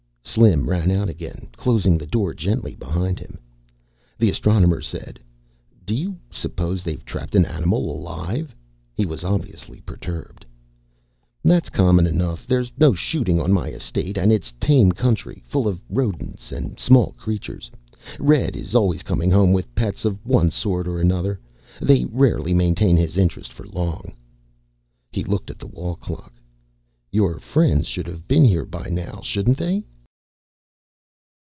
Slim ran out again, closing the door gently behind him. The Astronomer said, "Do you suppose they've trapped an animal alive?" He was obviously perturbed. "That's common enough. There's no shooting on my estate and it's tame country, full of rodents and small creatures. Red is always coming home with pets of one sort or another. They rarely maintain his interest for long." He looked at the wall clock. "Your friends should have been here by now, shouldn't they?"